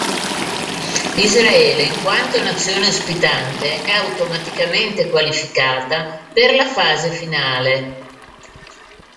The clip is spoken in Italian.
Israele in quanto nazione ospitante è automaticamente qualificata per la fase finale.